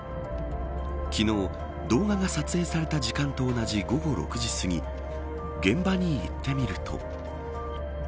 昨日、動画が撮影された時間と同じ午後６時すぎ現場に行ってみると。